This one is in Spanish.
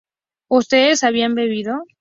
¿Ustedes habían bebido?